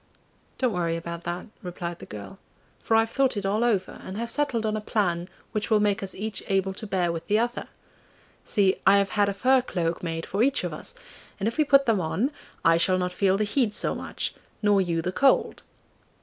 'Don't worry about that,' replied the girl, 'for I've thought it all over, and have settled on a plan which will make us each able to bear with the other! See, I have had a fur cloak made for each of us, and if we put them on I shall not feel the heat so much nor you the cold.